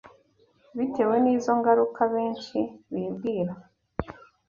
Bitewe n’izo ngaruka, benshi bibwira